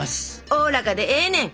おおらかでええねん！